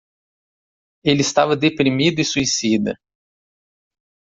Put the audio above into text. Ele estava deprimido e suicida.